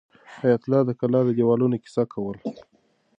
حیات الله د کلا د دیوالونو کیسه کوله.